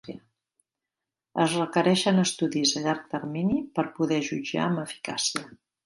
Es requereixen estudis a llarg termini per poder jutjar amb eficàcia.